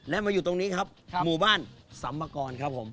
และมาอยู่ตรงนี้ครับหมู่บ้านสัมมกรครับผม